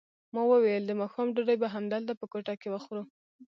ما وویل د ماښام ډوډۍ به همدلته په کوټه کې وخورو.